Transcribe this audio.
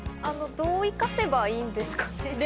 どう生かせばいいんですかね？